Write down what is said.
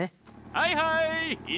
はいはい。